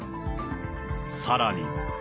さらに。